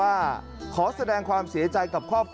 และก็มีการกินยาละลายริ่มเลือดแล้วก็ยาละลายขายมันมาเลยตลอดครับ